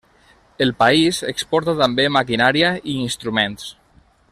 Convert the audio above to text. El país exporta també maquinària i instruments.